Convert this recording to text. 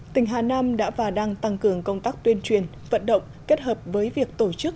tỉnh hà nam đã và đang tăng cường công tác tuyên truyền vận động kết hợp với việc tổ chức